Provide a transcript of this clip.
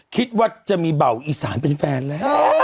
คิดว่าจะมีเบาอีสานเป็นแฟนแล้ว